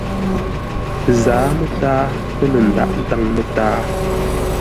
Ə zǎa mətǎa pə̂ lə̂ ndághʼ ńtáŋ mətǎa.